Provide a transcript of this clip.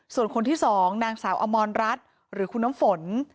ส่วนคนที่๒นางสาวอมรรัฐหรือคุณน้ำฝน